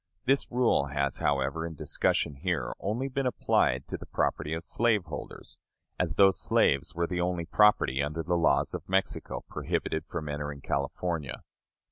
This rule has, however, in discussion here, only been applied to the property of slaveholders; as though slaves were the only property under the laws of Mexico prohibited from entering California.